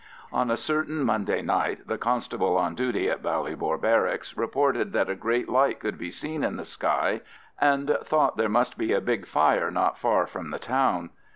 On a certain Monday night the constable on duty at Ballybor Barracks reported that a great light could be seen in the sky, and thought there must be a big fire not far from the town.